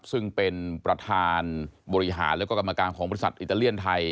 ซึ่งเป็นประธานบริหารแล้วก็กรรมการของบริษัทอิตาเลียนไทย